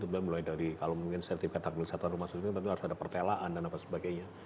mulai dari kalau mungkin sertifikat tak milik satuan rumah susunan tentu harus ada pertelaan dan apa sebagainya